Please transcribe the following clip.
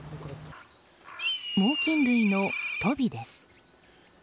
猛禽類のトビです。